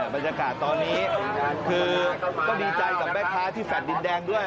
บรรยากาศตอนนี้คือก็ดีใจกับแม่ค้าที่แฟลต์ดินแดงด้วย